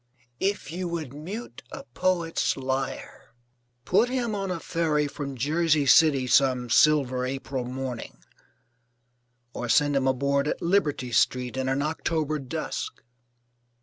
If you would mute a poet's lyre, put him on a ferry from Jersey City some silver April morning; or send him aboard at Liberty Street in an October dusk.